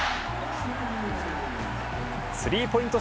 スリーポイント